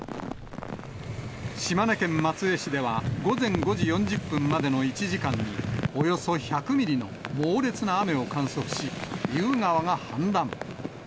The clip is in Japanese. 島根県松江市では、午前５時４０分までの１時間に、およそ１００ミリの猛烈な雨を観測し、意宇川が氾濫。